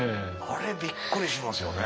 あれびっくりしますよね。